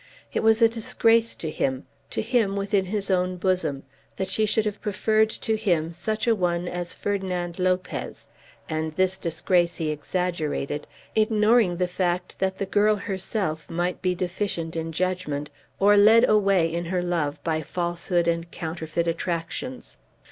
It was a disgrace to him, to him within his own bosom, that she should have preferred to him such a one as Ferdinand Lopez, and this disgrace he exaggerated, ignoring the fact that the girl herself might be deficient in judgment, or led away in her love by falsehood and counterfeit attractions.